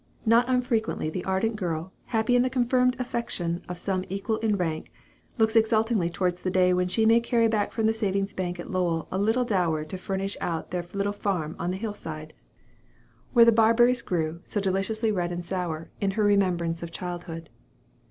Not unfrequently the ardent girl, happy in the confirmed affection of some equal in rank, looks exultingly towards the day when she may carry back from the savings' bank at Lowell a little dower to furnish out their little farm on the hill side, where the barberries grew, so deliciously red and sour, in her remembrance of childhood.